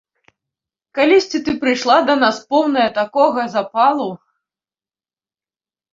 Калісьці ты прыйшла да нас, поўная такога запалу.